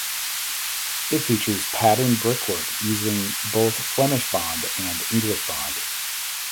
It features patterned brickwork using both Flemish Bond and English Bond.